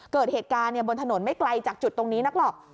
เกิดเหตุการณ์บนถนนไม่ไกลจากจุดตรงนี้นักหรอก